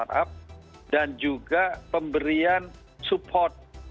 kita ingin menggunakan perusahaan yang berbeda